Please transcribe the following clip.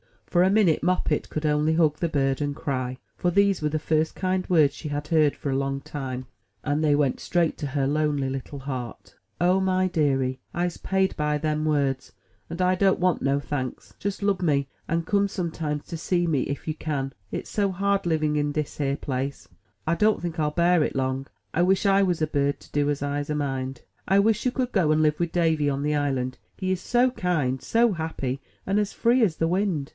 For a minute. Moppet could only hug the bird, and cry; for these were the first kind words she had heard for a long time, and they went straight to her lonely little heart. 0 my deary! I'se paid by dem words, and I don't want no tanks. Jes lub me, and come sometimes to see me ef you can; it's so hard livin' in dis yere place. I don't tink I'll bar it long. I wish I was a bird to do as I's amind." '*I wish you could go and live with Davy on the island; he is so kind, so happy, and as free as the wind.